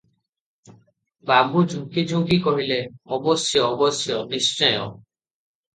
ବାବୁ ଝୁଙ୍କି ଝୁଙ୍କି କହିଲେ, "ଅବଶ୍ୟ, ଅବଶ୍ୟ, ନିଶ୍ଚୟ ।"